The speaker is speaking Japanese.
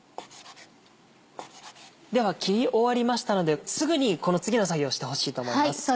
では切り終わりましたのですぐにこの次の作業をしてほしいと思います。